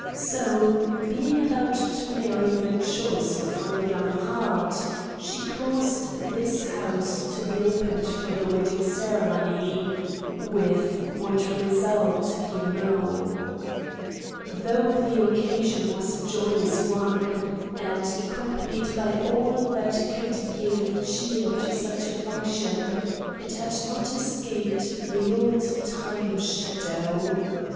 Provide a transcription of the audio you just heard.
So, being about to marry the choice of her young heart, she caused this house to be opened for the wedding ceremony; with what result, you know. Though the occasion was a joyous one and accompanied by all that could give cheer to such a function, it had not escaped the old time shadow.